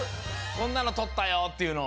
こんなのとったよ！っていうの。